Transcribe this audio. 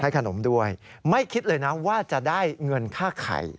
ขนมด้วยไม่คิดเลยนะว่าจะได้เงินค่าไข่